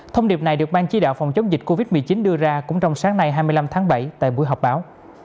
thông điệp này được ban chỉ đạo phòng chống dịch covid một mươi chín đưa ra cũng trong sáng nay hai mươi năm tháng bảy tại buổi họp báo